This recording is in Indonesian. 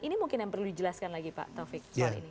ini mungkin yang perlu dijelaskan lagi pak taufik